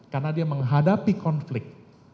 karena dia menghadapi konflik